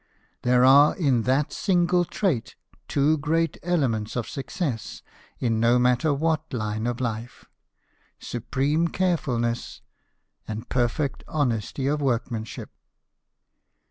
There are in that single trait two great elements of success in no matter what line of life supreme carefulness, and perfect honesty of workmanship.